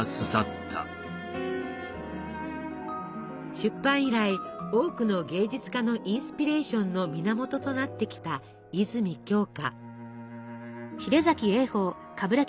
出版以来多くの芸術家のインスピレーションの源となってきた泉鏡花。